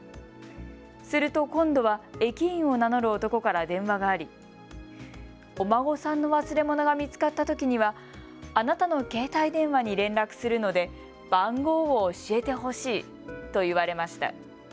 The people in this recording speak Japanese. すると今度は駅員を名乗る男から電話があり、お孫さんの忘れ物が見つかったときにはあなたの携帯電話に連絡するので番号を教えてほしいと言われました。